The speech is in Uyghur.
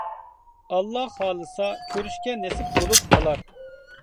ئاللا خالىسا كۆرۈشكە نېسىپ بولۇپ قالار.